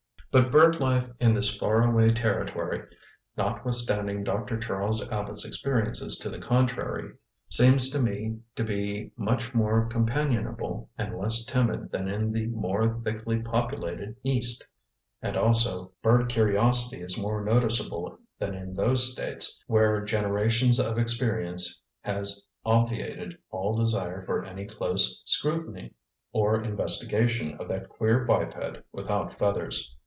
But bird life in this far away territory, notwithstanding Dr. Charles Abbott's experience to the contrary, seems to me to be much more companionable and less timid than in the more thickly populated east, and also, bird curiosity is more noticeable than in those states where generations of experience has obviated all desire for any close scrutiny or investigation of that queer biped without feathers.